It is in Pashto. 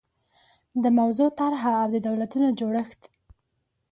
د موضوع طرحه او د دولتونو جوړښت